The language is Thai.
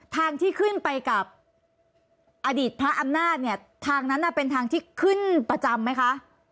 ทางที่ขึ้นไปกับอดีตพระอำนาจเนี่ยทางนั้นน่ะเป็นทางที่ขึ้นประจำไหมคะ